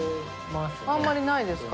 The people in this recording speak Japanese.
あんまりないですか？